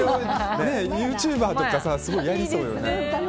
ユーチューバーとかやりそうだよね。